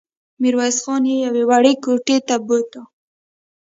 ميرويس خان يې يوې وړې کوټې ته بوت.